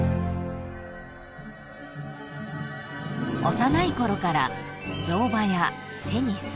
［幼いころから乗馬やテニス。